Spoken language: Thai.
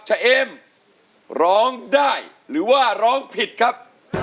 เอมร้องได้หรือว่าร้องผิดครับ